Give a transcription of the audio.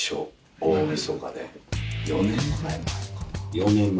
４年前。